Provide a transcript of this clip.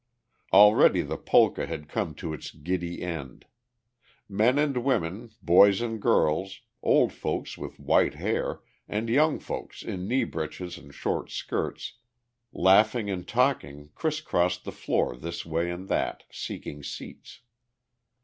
Already the polka had come to its giddy end. Men and women, boys and girls, old folks with white hair and young folks in knee breeches and short skirts, laughing and talking crisscrossed the floor this way and that seeking seats.